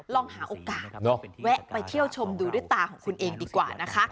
ลองหาโอกาสแวะไปเที่ยวชมดูด้วยตาของคุณเองดีกว่านะคะ